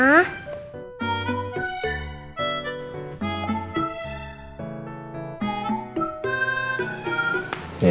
ya ya pa suapin ya